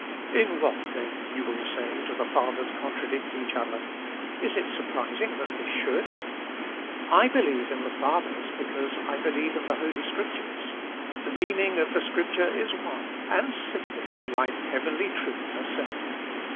What, then, you will say, do the Fathers contradict each other? Is it surprising that they should? I believe in the Fathers, because I believe in the Holy Scriptures. The meaning of Scripture is one, and simple, like heavenly truth herself.